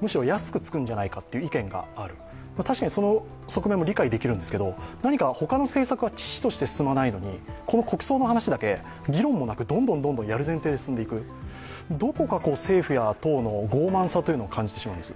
むしろ安くつくんじゃないかという意見もある、その一面も理解できるんですけど、何か他の政策は遅々として進まないのに、この国葬のことだけ議論もなくどんどんやる前提で進んでいく、どこか政府や党の傲慢さを感じてしまうんです。